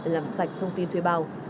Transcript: làm sạch thông tin thuê bao